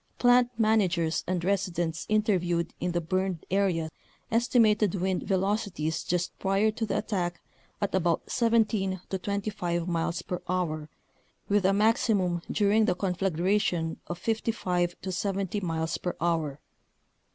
Plant man agers and residents interviewed in the burned area estimated wind velocities just prior to the attack at about 17 to 25 miles per hour with a maximum during the conflagration of 55 to 70 miles per hour.